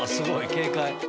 軽快。